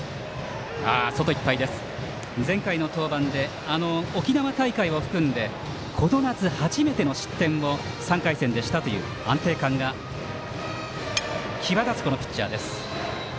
前回の登板で沖縄大会を含んでこの夏初めての失点を初めて３回戦でしたという安定感が際立つピッチャーです。